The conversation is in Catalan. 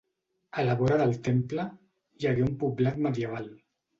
A la vora del temple, hi hagué un poblat medieval.